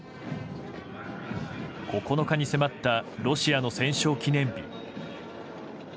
９日に迫ったロシアの戦勝記念日。